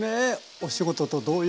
お仕事と同様！